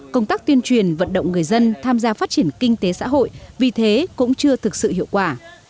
công tác tuyên truyền vận động người dân tham gia phát triển kinh tế xã hội vì thế cũng chưa thực sự hiệu quả